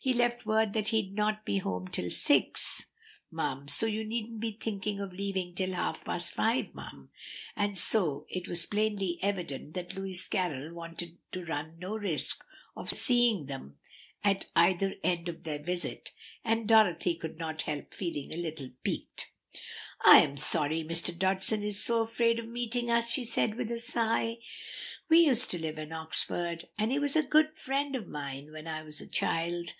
He left word that he'd not be home till six, mum, so you needn't be thinking of leaving till half past five, mum;" and so it was plainly evident that Lewis Carroll wanted to run no risk of seeing them at either end of their visit, and Dorothy could not help feeling a little piqued. "I am sorry Mr. Dodgson is so much afraid of meeting us," she said with a sigh; "we used to live in Oxford, and he was a good friend of mine when I was a child.